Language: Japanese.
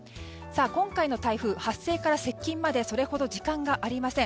今回の台風、発生から接近までそれほど時間がありません。